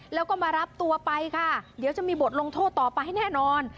แล้วก็มารับตัวไปค่ะเดี๋ยวจะมีบทลงโทษต่อไปให้แน่นอน